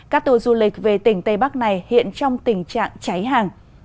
các tour du lịch về tỉnh tây bắc này hiện trong tình trạng cháy hàng